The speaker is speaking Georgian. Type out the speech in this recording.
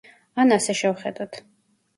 ან ასე შევხედოთ.